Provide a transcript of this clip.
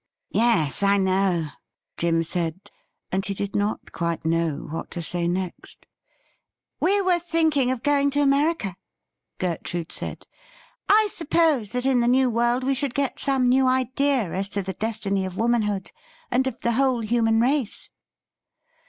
'Yes, I know,' Jim said, and he did not quite know what to say next. ' We were thinking of going to America,' Gertrude said. ' I suppose that in the New World we should get some new ideas as to the destiny of womanhood and of the whole human race.'